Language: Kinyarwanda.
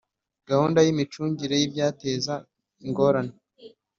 Gahunda y imicungire y ibyateza ingorane